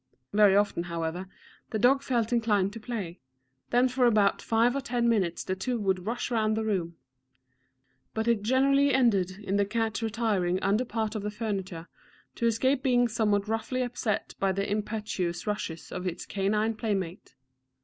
Very often, however, the dog felt inclined to play; then for about five or ten minutes the two would rush round the room; but it generally ended in the cat retiring under part of the furniture, to escape being somewhat roughly upset by the impetuous rushes of its canine playmate.